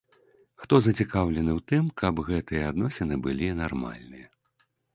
Хто зацікаўлены ў тым, каб гэтыя адносіны былі нармальныя?